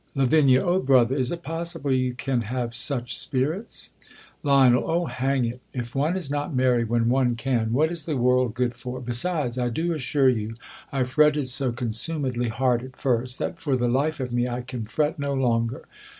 Lav, O brother, is it possible you can have such 220 THE COLUMBIAN ORATOT. *'^ Lion. O hang it ; if one is not merry when one «an, what is the world good for ? Besides, I do assure ym, I fretted so consumedly hard at first, that for the life of me I can fret no longer.